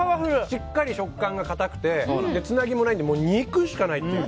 しっかり食感がかたくてつなぎもないので肉しかないっていう。